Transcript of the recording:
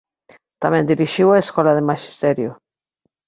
Tamén dirixiu a Escola de Maxisterio.